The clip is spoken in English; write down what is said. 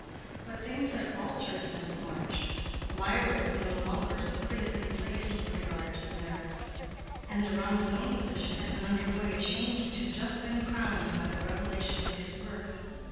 But things had altered since March. Mirah was no longer so critically placed with regard to the Meyricks, and Deronda's own position had been undergoing a change which had just been crowned by the revelation of his birth.